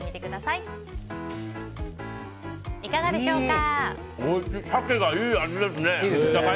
いかがでしょうか。